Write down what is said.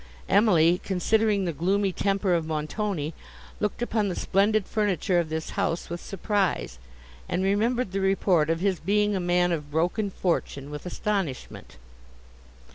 Emily, considering the gloomy temper of Montoni, looked upon the splendid furniture of this house with surprise, and remembered the report of his being a man of broken fortune, with astonishment.